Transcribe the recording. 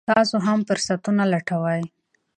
تاسو هم فرصتونه لټوئ.